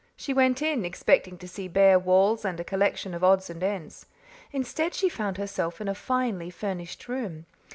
She went in, expecting to see bare walls and a collection of odds and ends. Instead she found herself in a finely furnished room.